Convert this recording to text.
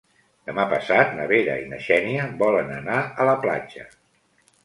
Demà passat na Vera i na Xènia volen anar a la platja.